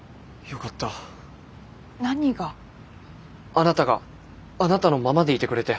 あなたがあなたのままでいてくれて。